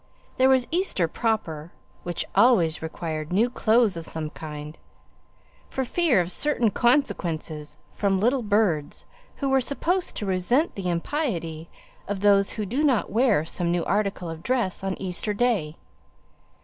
There was Easter proper, which always required new clothing of some kind, for fear of certain consequences from little birds, who were supposed to resent the impiety of those that did not wear some new article of dress on Easter day.